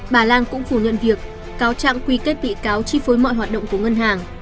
bà lan cũng phủ nhận việc cáo trạng quy kết bị cáo chi phối mọi hoạt động của ngân hàng